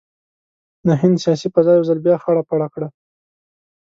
د هند سیاسي فضا یو ځل بیا خړه پړه کړه.